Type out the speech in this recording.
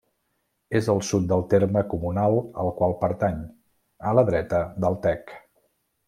És al sud del terme comunal al qual pertany, a la dreta del Tec.